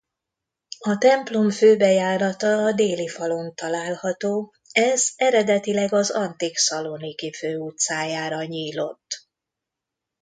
A templom főbejárata a déli falon található ez eredetileg az antik Szaloniki főutcájára nyílott.